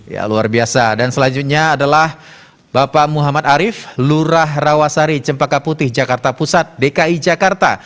ya luar biasa dan selanjutnya adalah bapak muhammad arief lurah rawasari cempaka putih jakarta pusat dki jakarta